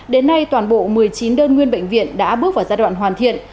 đến nay toàn bộ một mươi chín đơn nguyên bệnh viện đã bước vào giai đoạn hoàn thiện